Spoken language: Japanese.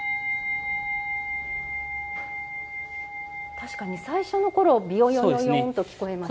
確かに最初の頃ビヨヨヨヨンと聞こえました。